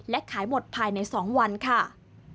และขายหมดภายใน๒วันค่ะ